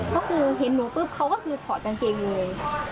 ก็คือเห็นหนูปุ๊บเขาก็คือถอดกางเกงเลย